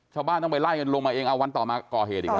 ชาวบ้านต้องไปไล่กันลงมาเองเอาวันต่อมาก่อเหตุอีกแล้ว